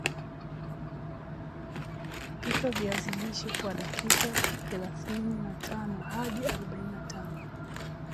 pika viazi lishe kwa dakika thelathini na tano hadi arobaini na tano